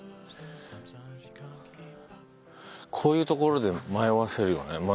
こういうところで迷わせるよね。